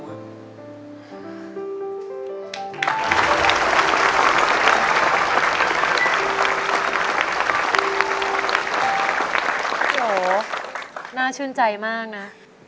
โอ้โหน่าชื่นใจมากนะ